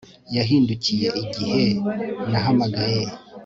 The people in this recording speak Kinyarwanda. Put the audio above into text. Yahindukiye igihe nahamagaye